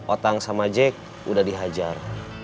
otang sama jack udah dihajar